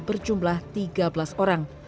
berjumlah tiga belas orang